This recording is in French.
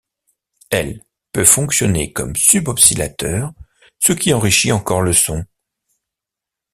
L' peut fonctionner comme sub-oscillateur, ce qui enrichit encore le son.